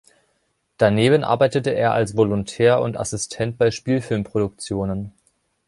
Daneben arbeitete er als Volontär und Assistent bei Spielfilmproduktionen.